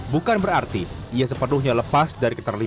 bukan berarti ia sepenuhnya lepas dari keterlibatan